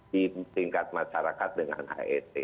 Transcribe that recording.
di tingkat masyarakat dengan het